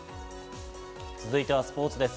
続いてはスポーツです。